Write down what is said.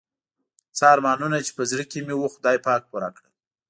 څه ارمانونه چې په زړه کې مې وو خدای پاک پوره کړل.